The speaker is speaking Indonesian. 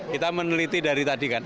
kita meneliti dari tadi kan